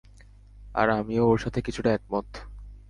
আর আমিও ওর সাথে কিছুটা একমত।